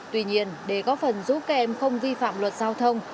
tuy nhiên để có phần giúp kèm không vi phạm luật giao thông